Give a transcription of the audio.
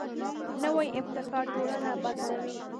نوی ابتکار ټولنه بدلوي